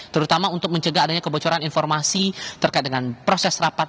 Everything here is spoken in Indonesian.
terutama untuk mencegah adanya kebocoran informasi terkait dengan proses rapat